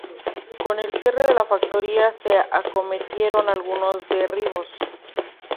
Con el cierre de la factoría se acometieron algunos derribos.